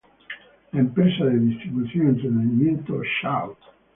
La empresa de distribución y entretenimiento "Shout!